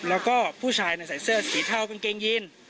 แล้วก็ผู้ชายใส่เสื้อสีเทากางเกงยีน